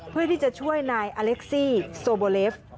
เพื่อที่จะช่วยนายอเล็กซี่โซโบเลฟ